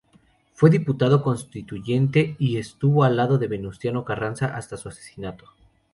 Fue diputado Constituyente y estuvo al lado de Venustiano Carranza hasta su asesinato.